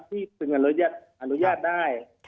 ถึงอนุญาตได้